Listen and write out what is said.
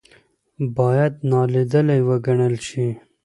باید نا لیدلې وګڼل شي.